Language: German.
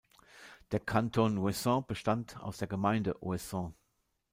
Der Kanton Ouessant bestand aus der Gemeinde Ouessant.